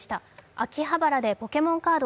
秋葉原でポケモンカード